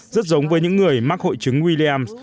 rất giống với những người mắc hội chứng williams